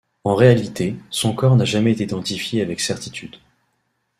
En réalité, son corps n'a jamais été identifié avec certitude.